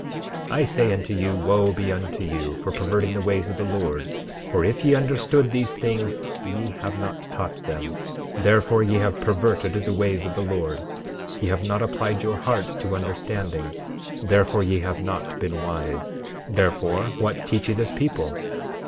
12:26 I say unto you, wo be unto you for perverting the ways of the Lord! For if ye understand these things ye have not taught them; therefore, ye have perverted the ways of the Lord. 12:27 Ye have not applied your hearts to understanding; therefore, ye have not been wise. Therefore, what teach ye this people?